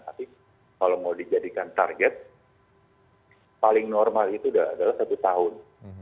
tapi kalau mau dijadikan target paling normal itu adalah satu tahun